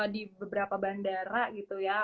di beberapa bandara gitu ya